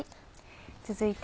続いて。